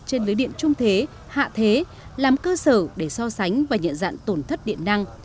trên lưới điện trung thế hạ thế làm cơ sở để so sánh và nhận dạng tổn thất điện năng